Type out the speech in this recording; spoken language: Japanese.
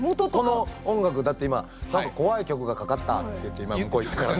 この音楽だって今何か「怖い曲がかかった」って言って今向こう行ったからね。